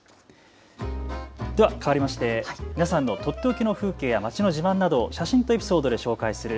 かわりまして皆さんのとっておきの風景や街の自慢などを写真とエピソードで紹介する＃